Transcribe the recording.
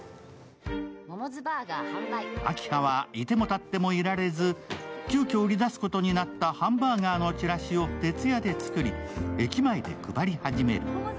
明葉はいてもたってもいられず急きょ売り出すことになったハンバーガーのチラシを徹夜で作り、駅前で配り始める。